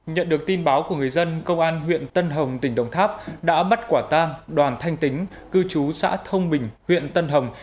nhận được tin báo của người dân công an huyện tân hồng tỉnh đồng tháp đã bắt quả tang đoàn thanh tính cư trú xã thông bình huyện tân hồng